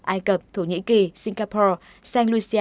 ai cập thổ nhĩ kỳ singapore saint lucia hàn quốc iran malaysia